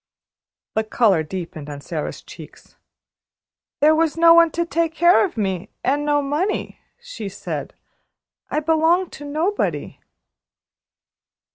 The color deepened on Sara's cheeks. "There was no one to take care of me, and no money," she said. "I belong to nobody."